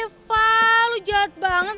ih reva lo jahat banget